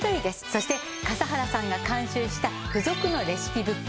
そして笠原さんが監修した付属のレシピブック。